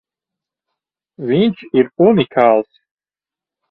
Viņš ir unikāls!